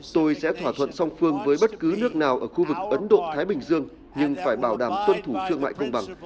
tôi sẽ thỏa thuận song phương với bất cứ nước nào ở khu vực ấn độ thái bình dương nhưng phải bảo đảm tuân thủ thương mại công bằng